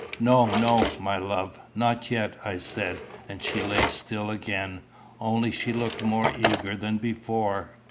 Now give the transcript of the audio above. "No, no, my love, not yet," I said, and she lay still again, only she looked more eager than before.